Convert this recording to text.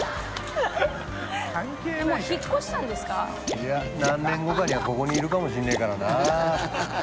いや何年後かにはここにいるかもしれないからな。